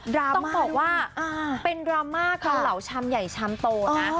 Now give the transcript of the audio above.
ดราม่าต้องบอกว่าอ่าเป็นดราม่าของเหล่าชำใหญ่ชำโตนะอ๋อ